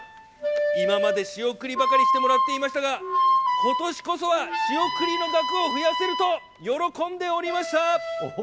今まで仕送りばかりしてもらっていましたが、今年こそは仕送りの額を増やせると喜んでおりました。